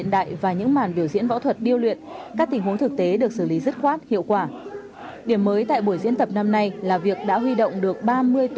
đặc biệt là khi giải sẽ được giữ bí mật cho đến cuối